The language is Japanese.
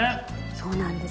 そうなんです。